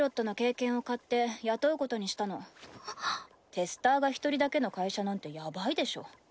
テスターが１人だけの会社なんてやばいでしょ。